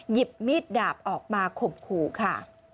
หยิบมีดดาบออกมาข่มขู่ค่ะ